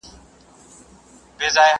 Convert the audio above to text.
له نارنج تر انارګله له پامیره تر کابله!